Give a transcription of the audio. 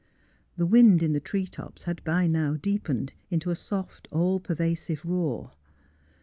The wind in the tree tops had by now deepened into a soft, all pervasive roar.